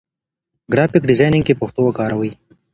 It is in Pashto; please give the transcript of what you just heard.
ګرافيک ډيزاين کې پښتو وکاروئ.